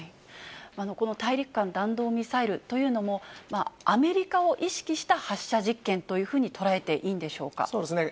この大陸間弾道ミサイルというのも、アメリカを意識した発射実験というふうに捉えていいんでそうですね。